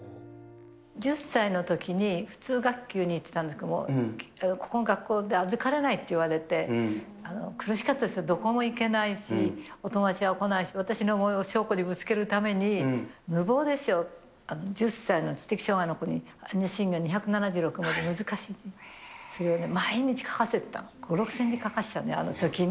１０歳のときに普通学級に行ってたんだけど、ここの学校で預かれないって言われて、苦しかったですよ、どこもいけないし、お友達は来ないし、私の思いを翔子にぶつけるために、無謀ですよ、１０歳の知的障がいの子に、般若心経２７６文字、難しい。それをね、１人書かせてたの、５、６０００字、書かせてたね、あのときに。